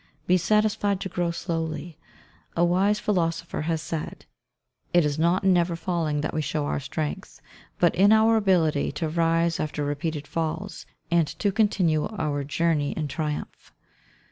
Be satisfied to grow slowly. A wise philosopher has said, "It is not in never falling that we show our strength, but in our ability to rise after repeated falls, and to continue our journey in triumph."